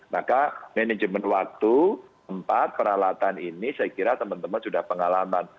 maka manajemen waktu tempat peralatan ini saya kira teman teman sudah pengalaman